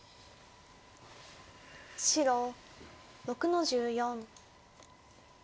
白６の十四。